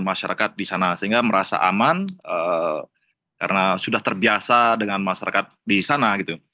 masyarakat di sana sehingga merasa aman karena sudah terbiasa dengan masyarakat di sana gitu